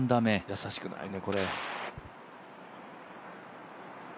易しくないね、これ。